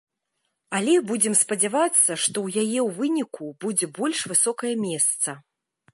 Але будзем спадзявацца, што ў яе ў выніку будзе больш высокае месца.